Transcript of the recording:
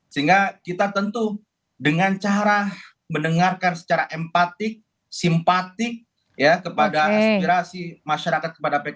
sehingga kita tentu dengan cara mendengarkan secara empatik simpatik kepada aspirasi masyarakat kepada p tiga